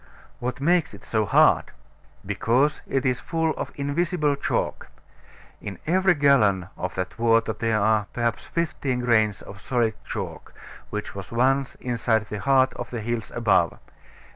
What makes it so hard? Because it is full of invisible chalk. In every gallon of that water there are, perhaps, fifteen grains of solid chalk, which was once inside the heart of the hills above.